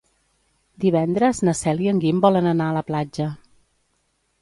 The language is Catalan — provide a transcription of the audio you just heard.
Divendres na Cel i en Guim volen anar a la platja.